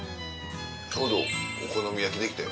ちょうどお好み焼きできたよ。